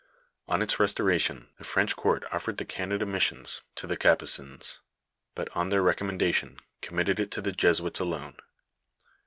On its restoration the French court offered the Canada mis sions to the Capucins, but, on their recommendatioii, commit ted it to the Jesuits alone.